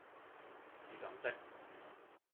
是咁的